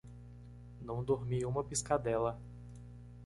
Não dormi uma piscadela